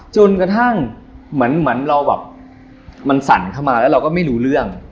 จนกระทั่งเหมือนเราแบบมันสั่นเข้ามาแล้วเราก็ไม่รู้เรื่อง